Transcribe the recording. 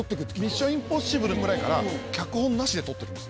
『ミッション：インポッシブル』ぐらいから脚本なしで撮ってるんです。